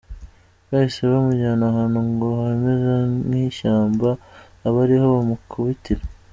Bahise bamujyana ahantu ngo hameze nk’ishyamba aba ariho bamukubitira.